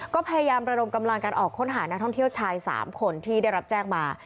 ก็พยายามระดมกำลังการออกค้นหานักท่องเที่ยวชาย๓คนที่ได้รับแจ้งมา